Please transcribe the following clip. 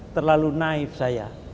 terlalu naif saya